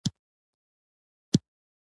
کچالو له امید سره خوړل کېږي